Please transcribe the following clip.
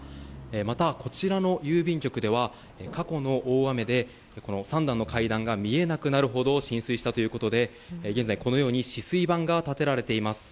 また、こちらの郵便局では過去の大雨で３段の階段が見えなくなるほど浸水したということで現在、このように止水板が立てられています。